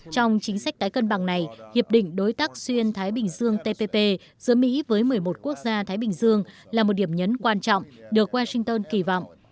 trong chính sách tái cân bằng này hiệp định đối tác xuyên thái bình dương tpp giữa mỹ với một mươi một quốc gia thái bình dương là một điểm nhấn quan trọng được washington kỳ vọng